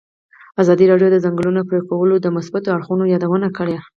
ازادي راډیو د د ځنګلونو پرېکول د مثبتو اړخونو یادونه کړې.